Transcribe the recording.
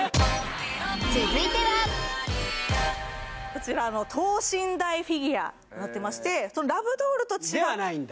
続いてはこちら等身大フィギュアになってましてラブドールと違ってではないんだ？